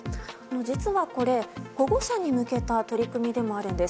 実はこれ保護者に向けた取り組みでもあるんです。